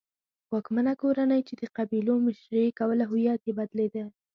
واکمنه کورنۍ چې د قبیلو مشري یې کوله هویت یې بدلېده.